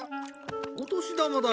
お年玉だよ